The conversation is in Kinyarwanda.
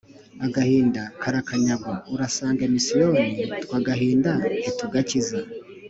agahinda karakanyagwa, urasange misiyoni, twe agahinda ntitugakiza